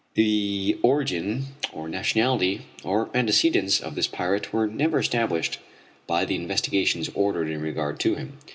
The origin or nationality or antecedents of this pirate were never established by the investigations ordered in regard to him.